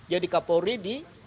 jadi kapolri di